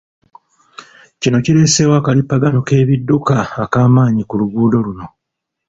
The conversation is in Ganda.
Kino kireeseewo akalippagano k'ebidduka akamaanyi ku luggudo luno.